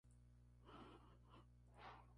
A nivel regional ha sido campeón seis veces.